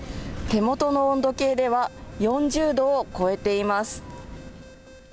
手元の温度計では４０度を超えています。